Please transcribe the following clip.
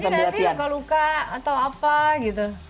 pernah aja gak sih luka luka atau apa gitu